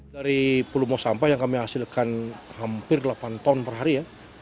dari volume sampah yang kami hasilkan hampir delapan ton per hari ya